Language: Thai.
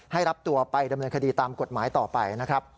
ให้รับตัวไปดำเนินคดีตามกฎหมายต่อไป